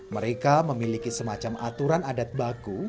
mereka memiliki semacam aturan adat baku